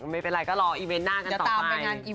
ไม่เป็นไรก็รออีเวนต์หน้ากันต่อไป